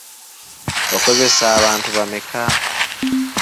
Okozesa abantu bameka?